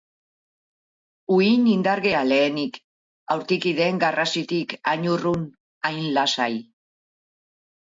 Uhin indargea lehenik, aurtiki den garrasitik hain urrun, hain lasai.